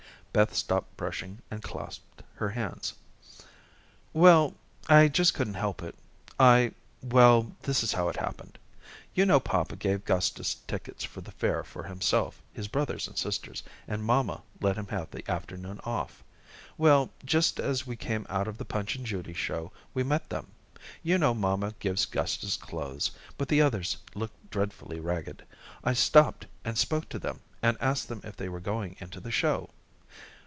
Beth stopped brushing and clasped her hands. "Well, I just couldn't help it. I well, this is how it happened. You know papa gave Gustus tickets for the Fair for himself, his brothers and sisters, and mamma let him have the afternoon off. Well, just as we came out of the Punch and Judy show we met them. You know mamma gives Gustus clothes, but the others looked dreadfully ragged. I stopped and spoke to them and asked them if they were going into the show.